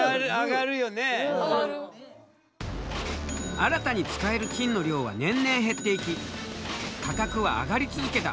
新たに使える金の量は年々減っていき価格は上がり続けた。